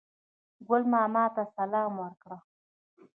ګل ماما ته سلام ورکړ.